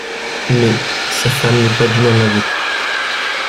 Mais, sa femme n'est pas du même avis...